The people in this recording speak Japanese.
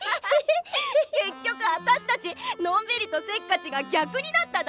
結局私たちのんびりとせっかちが逆になっただけじゃん。